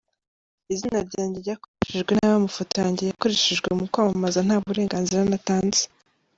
Izina ryanjye ryakoreshejwe nabi, amafoto yanjye yakoreshejwe mu kwamamaza nta burenganzira natanze.